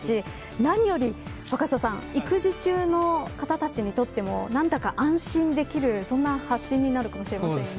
何より、若狭さん育児中の方たちにとっても何だか安心できる、そんな発信になるかもしれませんね。